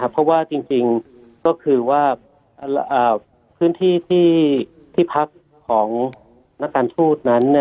เพราะว่าจริงก็คือว่าพื้นที่ที่พักของนักการทูตนั้น